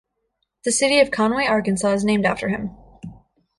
The city of Conway, Arkansas is named after him.